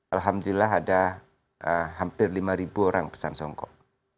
alhamdulillah ada hampir lima orang pesan songkok